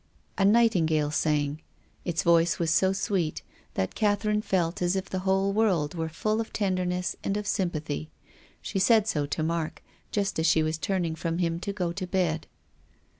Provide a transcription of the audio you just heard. A nightingale sang. Its voice was so sweet that Catherine felt as if the whole world were full of tenderness and of sym pathy. She said so to Mark, just as she was turning from him to go to bed.